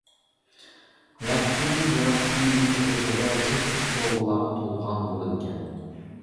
ھاياتلىقىمىز ياراتقۇچىمىزنىڭ قۇدرىتىدە چەكسىز سوۋغىلارغا تولغان بولىدىكەن.